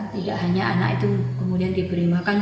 tidak hanya anak itu kemudian diberi makan